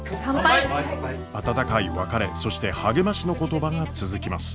温かい別れそして励ましの言葉が続きます。